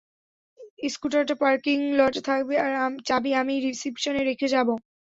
স্কুটারটা parking লটে থাকবে আর চাবি আমি রিসিপশনে রেখে যাব।